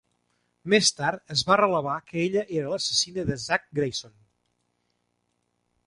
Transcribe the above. Més tard, es va revelar que ella era l'assassina de Zack Grayson.